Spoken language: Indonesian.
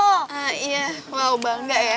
wow bangga ya